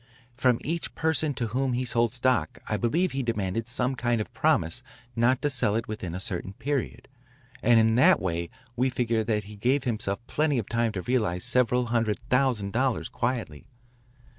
From each person to whom he sold stock I believe he demanded some kind of promise not to sell it within a certain period, and in that way we figure that he gave himself plenty of time to realise several hundred thousand dollars quietly.